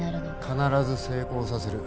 必ず成功させる。